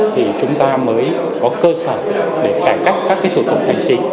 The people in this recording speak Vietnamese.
thì chúng ta mới có cơ sở để cải cách các thủ tục hành chính